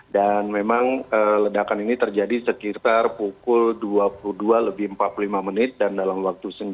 dan memang ledakan ini terjadi sekitar pukul dua puluh dua empat puluh lima dan dalam waktu sembilan